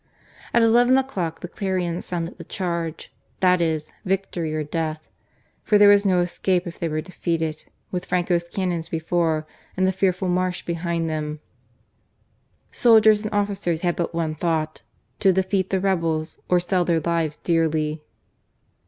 At eleven o'clock the clarions sounded the charge, that is, victory or death ; for there was no escape if they were defeated with Franco's cannons before and the fearful marsh behind them. Soldiers and officers had but one thought, to defeat the rebels or sell their lives dearly.